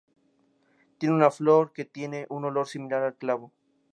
Tiene una flor que tiene un olor similar al clavo.